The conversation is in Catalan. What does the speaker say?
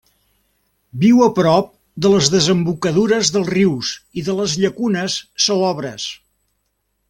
Viu a prop de les desembocadures dels rius i de les llacunes salabroses.